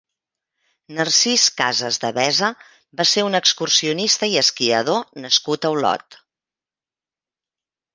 Narcís Casas Devesa va ser un excursionista i esquiador nascut a Olot.